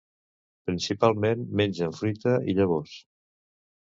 Principalment mengen fruita i llavors.